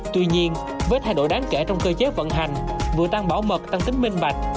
tuy nhiên với thay đổi đáng kể trong cơ chế vận hành vừa tăng bảo mật tăng tính minh bạch